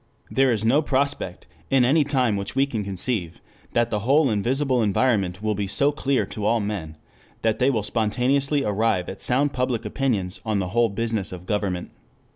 There is no prospect, in any time which we can conceive, that the whole invisible environment will be so clear to all men that they will spontaneously arrive at sound public opinions on the whole business of government.